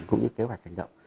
cũng như kế hoạch hành động